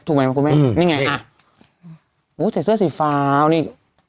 ถูกไหมคุณแม่อืมนี่ไงอ่ะโอ้ใส่เสื้อสีฟ้านี่